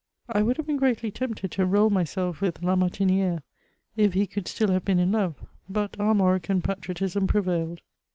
I would have been greatly tempted to enrol myself with La Martini^re, if he could still have been in love ; but Armorican patriotism prevailed.